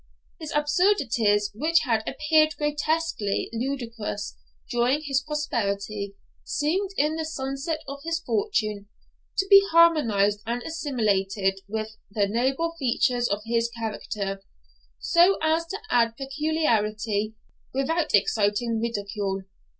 His absurdities, which had appeared grotesquely ludicrous during his prosperity, seemed, in the sunset of his fortune, to be harmonised and assimilated with the noble features of his character, so as to add peculiarity without exciting ridicule.